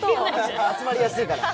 集まりやすいから。